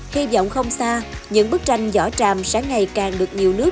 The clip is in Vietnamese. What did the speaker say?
hy vọng không xa những bức tranh vỏ tràm sẽ ngày càng được nhiều nước